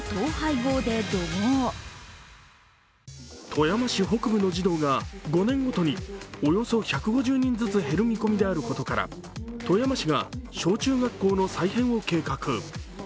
富山市北部の児童が５年ごとにおよそ１５０人ずつ減る見込みであることから富山市が小中学校の再編を計画。